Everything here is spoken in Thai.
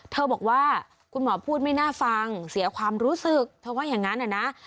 บอกว่าคุณหมอพูดไม่น่าฟังเสียความรู้สึกเธอว่าอย่างนั้นนะ